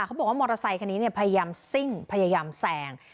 เขาบอกว่ามอเตอร์ไซคันนี้พยายามซิ่งพยายามแซง